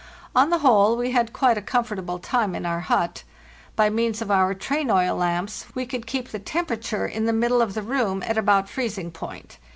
On the whole, we had quite a comfortable time in our hut. By means of our train oil lamps we could keep the temperature in the middle of the room at about freezing point.